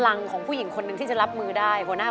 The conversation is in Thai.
เปลี่ยนเพลงเพลงเก่งของคุณและข้ามผิดได้๑คำ